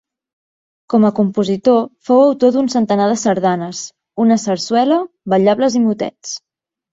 Com a compositor fou autor d'un centenar de sardanes, una sarsuela, ballables i motets.